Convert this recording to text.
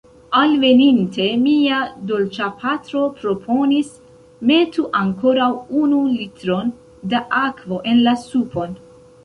Alveninte, mia Dolĉapatro proponis: metu ankoraŭ unu litron da akvo en la supon.